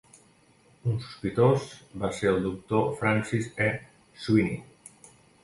Un sospitós va ser el Doctor Francis E. Sweeney.